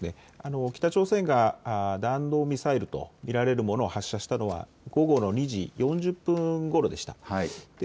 北朝鮮が弾道ミサイルと見られるものを発射したのが午後２時４０分ごろでした。